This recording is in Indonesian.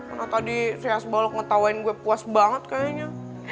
mana tadi si s block ngetawain gue puas banget kayaknya